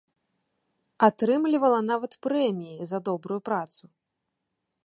Атрымлівала нават прэміі за добрую працу.